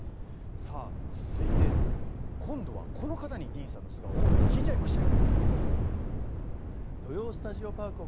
続いて今度はこの方にディーンさんの素顔を聞いちゃいましたよ。